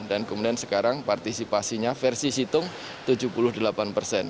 dan kemudian sekarang partisipasinya versi situng tujuh puluh delapan persen